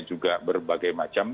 juga berbagai macam